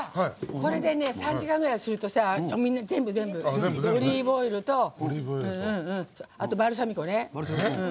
これで３時間ぐらいするとオリーブオイルとあと、バルサミコね。